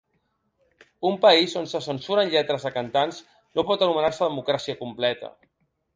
Un país on se censuren lletres de cantants no pot anomenar-se democràcia completa.